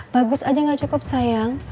bagus aja gak cukup sayang